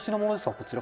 こちら」